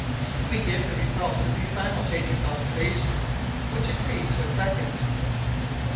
We give the result of these simultaneous observations, which agreed to a second.